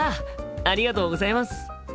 ありがとうございます。